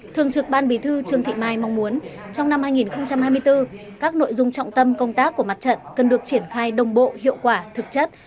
thường trực ban bí thư trương thị mai mong muốn trong năm hai nghìn hai mươi bốn các nội dung trọng tâm công tác của mặt trận cần được triển khai đồng bộ hiệu quả thực chất